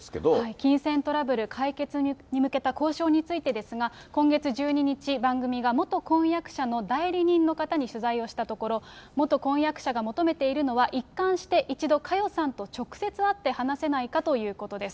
金銭トラブル解決に向けた交渉についてですが、今月１２日、番組が元婚約者の代理人の方に取材をしたところ、元婚約者が求めているのは、一貫して、一度佳代さんと直接会って話せないかということです。